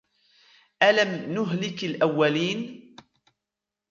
أَلَمْ نُهْلِكِ الْأَوَّلِينَ